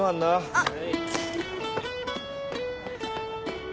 あっ。